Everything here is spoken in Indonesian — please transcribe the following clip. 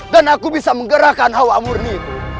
dan aku bisa menggerakkan hawa murni